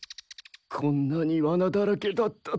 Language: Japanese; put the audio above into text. こんなにワナだらけだったとは。